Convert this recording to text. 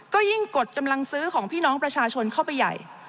ก็ยิ่งกดกำลังซื้อของพี่น้องประชาชนเข้าไปใหญ่